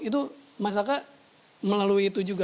itu mas aka melalui itu juga